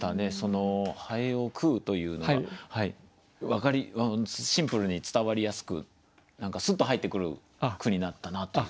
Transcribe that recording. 「蠅を食ふ」というのがシンプルに伝わりやすくスッと入ってくる句になったなという。